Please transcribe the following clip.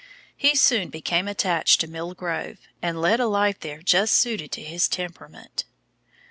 He soon became attached to Mill Grove, and led a life there just suited to his temperament.